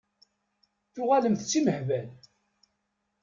Tuɣalemt d timehbal?